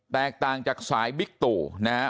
แตกต่างจากสายบิ๊กตู่นะครับ